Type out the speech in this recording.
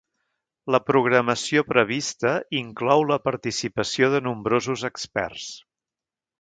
La programació prevista inclou la participació de nombrosos experts.